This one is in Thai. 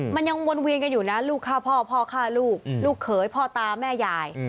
มันยังวนเวียนกันอยู่นะลูกฆ่าพ่อพ่อฆ่าลูกลูกเขยพ่อตาแม่ยาย